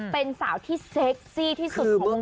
เป็นสาวที่เซ็กซี่ที่สุดของการบันทึง